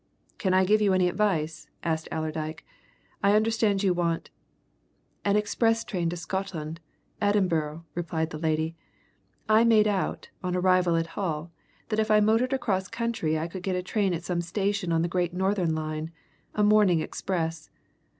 "Can I give you any advice?" asked Allerdyke. "I understand you want " "An express train to Scotland Edinburgh," replied the lady. "I made out, on arrival at Hull, that if I motored across country I would get a train at some station on the Great Northern line a morning express.